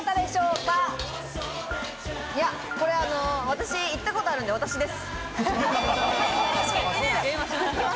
私行ったことあるんで私です。